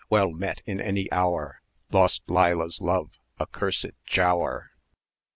well met in any hour, Lost Leila's love accursed Giaour!"